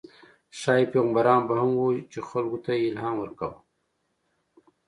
ښايي پیغمبران به هم وو، چې خلکو ته یې الهام ورکاوه.